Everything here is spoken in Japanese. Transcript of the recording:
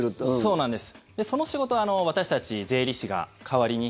そうなんです。